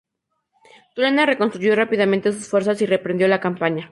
Turena reconstruyó rápidamente sus fuerzas y reemprendió la campaña.